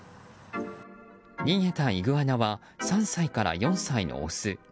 逃げたイグアナは３歳から４歳のオス。